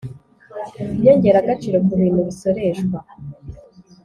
inyongeragaciro ku bintu bisoreshwa